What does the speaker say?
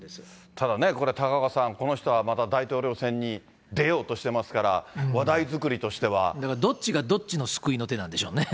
ただね、これ高岡さん、この人はまた大統領選に出ようとしてますから、話題作りとしては。だからどっちがどっちの救いの手なんでしょうね。